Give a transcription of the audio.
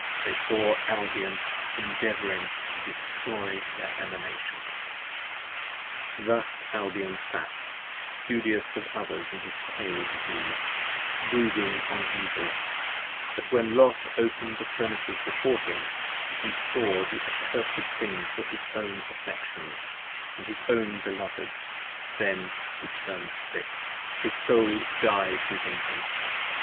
31 They saw Albion endeavouring to destroy their Emanations. p. 42 THUS Albion sat, studious of others in his pale disease; Brooding on evil; but when Los open'd the Furnaces before him, He saw that the accursed things were his own affections, And his own beloveds: then he turn'd sick: his soul died within him.